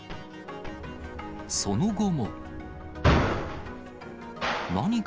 その後も。